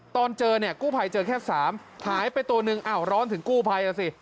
ตอนเจอเนี่ยกู้ภัยเจอแค่๓หายไปตัวหนึ่งอ้าวร้อนถึงกู้ภัยอ่ะสิ